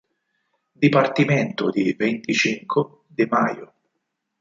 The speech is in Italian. Dipartimento di Veinticinco de Mayo